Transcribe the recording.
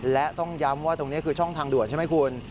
และต้องย้ำว่าตรงนี้คือช่องทางด่วนใช่ไหมคุณ